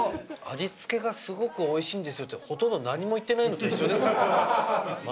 「味付けがすごくおいしいんですよ」ってほとんど何も言ってないのと一緒ですよ松下さん。